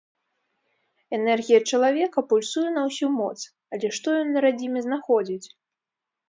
Энергія чалавека пульсуе на ўсю моц, але што ён на радзіме знаходзіць?